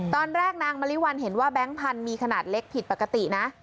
นางมะลิวัลเห็นว่าแก๊งพันธุ์มีขนาดเล็กผิดปกตินะ